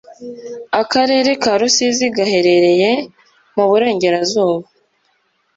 Akarere karusizi gaherereye muburengerazuba